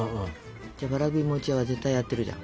わらび餅屋は絶対やってるじゃん。